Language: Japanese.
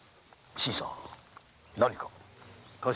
新さん何か？